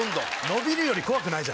伸びるより怖くない。